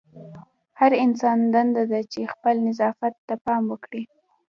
د هر انسان دنده ده چې خپل نظافت ته پام وکړي.